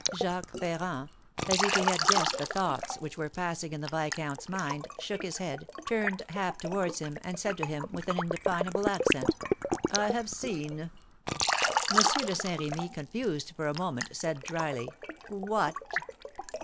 Jacques Ferrand, as if he had guessed the thoughts which were passing in the viscount's mind, shook his head, turned half towards him, and said to him, with an indefinable accent: "I have seen " M. de Saint Remy, confused for a moment, said, drily: "What?"